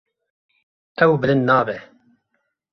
Ew bilind nabe.